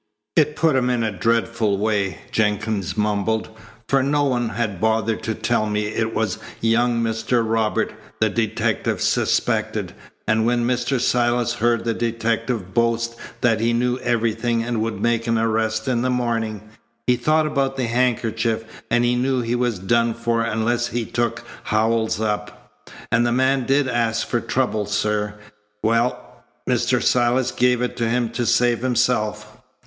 "It put him in a dreadful way," Jenkins mumbled, "for no one had bothered to tell me it was young Mr. Robert the detective suspected, and when Mr. Silas heard the detective boast that he knew everything and would make an arrest in the morning, he thought about the handkerchief and knew he was done for unless he took Howells up. And the man did ask for trouble, sir. Well! Mr. Silas gave it to him to save himself."